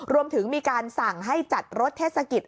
รวมถึงมีการสั่งให้จัดรถเทศกิจ